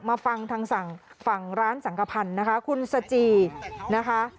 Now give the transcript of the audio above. มาฟังทางร้านสังขพันธ์นะคะคุณสจีนะคะ